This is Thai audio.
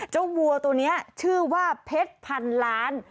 วัวตัวนี้ชื่อว่าเพชรพันล้าน